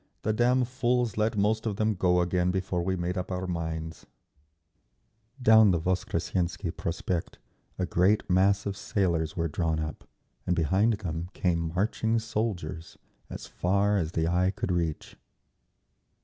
"The damn fools let most of them go again before we made up our minds…." Down the Voskressensky Prospect a great mass of sailors were drawn up, and behind them came marching soldiers, as far as the eye could reach.